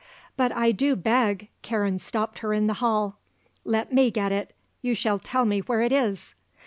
"But I do beg," Karen stopped her in the hall. "Let me get it. You shall tell me where it is."